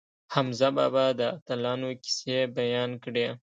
حمزه بابا د اتلانو کیسې بیان کړې.